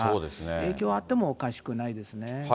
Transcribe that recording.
影響あってもおかしくないですね。